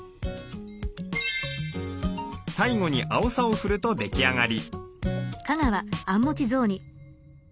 最後にあおさを振ると出来上がり。